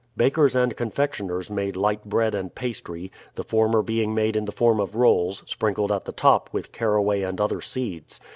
Bakers and confectioners made light bread and pastry; the former being made in the form of rolls, sprinkled at the top with carraway and other seeds.